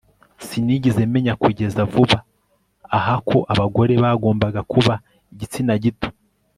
sinigeze menya kugeza vuba aha ko abagore bagombaga kuba igitsina gito